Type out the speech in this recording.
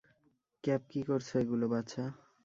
Cap, কী করছ এগুলো, বাছা?